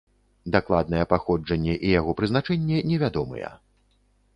Дакладнае паходжанне і яго прызначэнне невядомыя.